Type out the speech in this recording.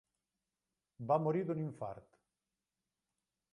Va morir d'un infart.